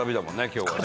今日はね。